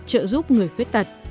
trợ giúp người khuyết tật